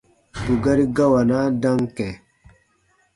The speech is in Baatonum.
Bù gari gawanaa dam kɛ̃.